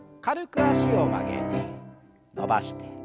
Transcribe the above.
軽く脚を曲げて伸ばして。